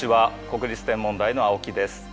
国立天文台の青木です。